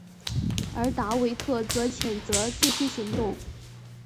而达维特则谴责这些行动。